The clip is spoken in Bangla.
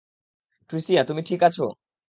ট্রিসিয়া, তুমি ঠিক আছো?